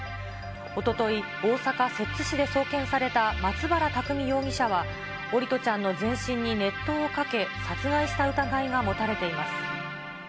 おととい、大阪・摂津市で送検された松原拓海容疑者は、桜利斗ちゃんの全身に熱湯をかけ、殺害した疑いが持たれています。